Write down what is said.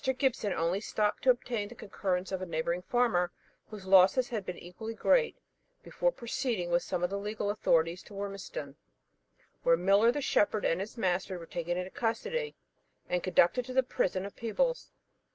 Gibson only stopped to obtain the concurrence of a neighbouring farmer, whose losses had been equally great, before proceeding with some of the legal authorities to Wormiston, where Millar the shepherd, and his master, were taken into custody, and conducted to the prison of Peebles.